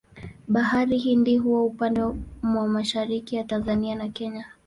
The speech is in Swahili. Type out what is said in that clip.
Bahari Hindi huwa upande mwa mashariki ya Tanzania na Kenya.